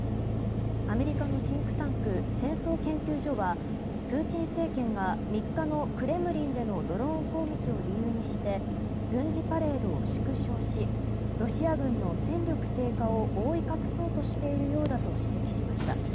アメリカのシンクタンク戦争研究所はプーチン政権が３日のクレムリンでのドローン攻撃を理由にして軍事パレードを縮小しロシア軍の戦力低下を覆い隠そうとしているようだと指摘しました。